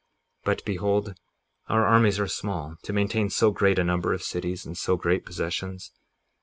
58:32 But behold, our armies are small to maintain so great a number of cities and so great possessions.